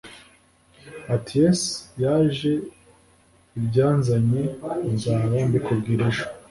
Atiese yajeibyanzanye nzaba mbikubwira ejo